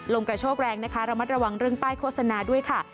กระโชกแรงนะคะระมัดระวังเรื่องป้ายโฆษณาด้วยค่ะ